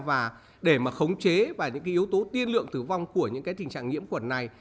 và để mà khống chế và những yếu tố tiên lượng tử vong của những cái tình trạng nhiễm khuẩn này